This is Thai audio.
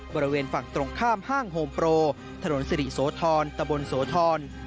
บริเวณฝั่งตรงข้ามห้างโฮมโปรถนนสิริโสธรตะบนโสธร